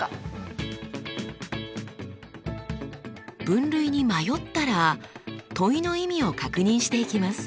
分類に迷ったら問いの意味を確認していきます。